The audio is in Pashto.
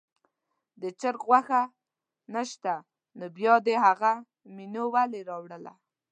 د چرګ غوښه نه شته نو بیا دې هغه مینو ولې راوړله.